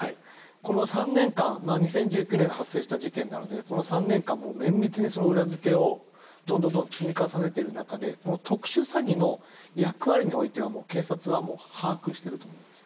この３年間２０１９年に発生した事件なのでこの３年間、綿密に裏付けをどんどん積み重ねている中で特殊詐欺の役割においては警察は把握していると思います。